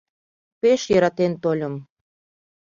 Пеш йӧратен тольым.